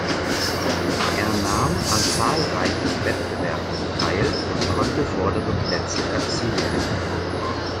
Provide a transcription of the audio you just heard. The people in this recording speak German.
Er nahm an zahlreichen Wettbewerben teil und konnte vordere Plätze erzielen.